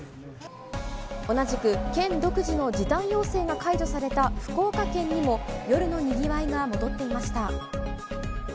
同じく県独自の時短要請が解除された福岡県にも、夜のにぎわいが戻っていました。